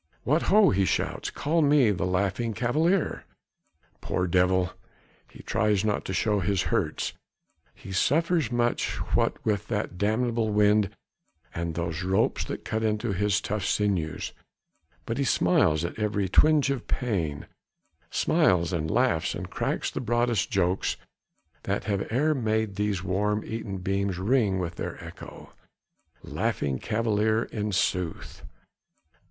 "What ho!" he shouts, "call me the Laughing Cavalier!" Poor devil! he tries not to show his hurts. He suffers much what with that damnable wind and those ropes that cut into his tough sinews, but he smiles at every twinge of pain: smiles and laughs and cracks the broadest jokes that have e'er made these worm eaten beams ring with their echo. The Laughing Cavalier in sooth!